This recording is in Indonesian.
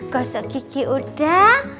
gosok gigi udah